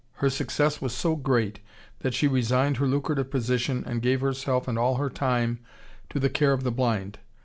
Her success was so great that she resigned her lucrative position and gave herself and all her time to the care of the blind.